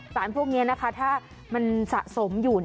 สารพวกนี้นะคะถ้ามันสะสมอยู่